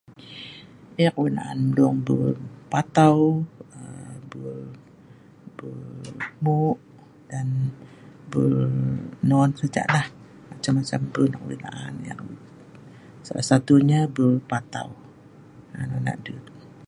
Ek wei' laan mlung bul patau aaa bul, bul, hmu, dan bul non sajalah. Macam-macam bul nok wei' laan ek. Salah satunya bul patau no noh dut